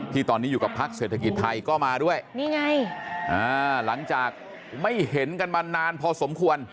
ที่ตอนนี้อยู่กับพักเศรษฐกิจไทยก็มาด้วยนี่ไงหลังจากไม่เห็นกันมานานพอสมควร